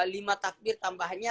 lima takbir tambahannya